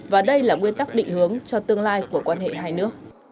và đây là nguyên tắc định hướng cho tương lai của quan hệ hai nước